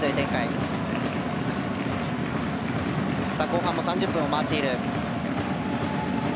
後半も３０分を回っている。